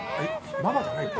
ママじゃないって。